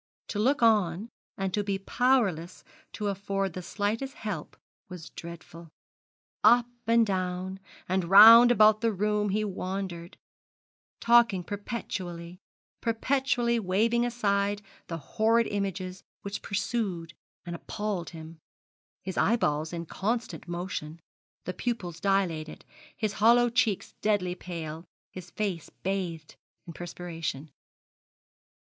To look on, and to be powerless to afford the slightest help was dreadful. Up and down, and round about the room he wandered, talking perpetually, perpetually waving aside the horrid images which pursued and appalled him, his eyeballs in constant motion, the pupils dilated, his hollow cheeks deadly pale, his face bathed in perspiration.